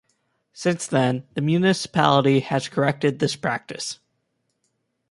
Since then, the municipality has corrected this practice.